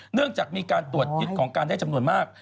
เนื่องจากมีการตรวจยึดของการได้จำนวนมาก